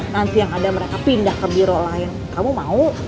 nanti yang ada mereka pindah ke biro lain kamu mau